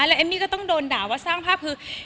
แล้วเอมมี่ก็ต้องโดนด่าว่าสร้างภาพคือ